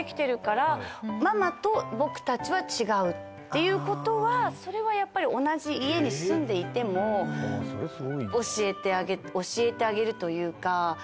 ていうことはそれはやっぱり同じ家に住んでいても教えてあげ教えてあげるというか。